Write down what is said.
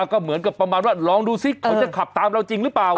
ก็เหมือนกับประมาณว่าลองดูซิเขาจะขับตามเราจริงหรือเปล่า